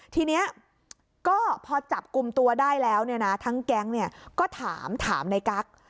ทีนี้ก็พอจับกลุ่มตัวได้แล้วเนี่ยนะทั้งแก๊งก็ถามถามในกั๊ก